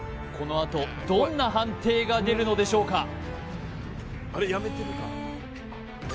このあとどんな判定が出るのでしょうか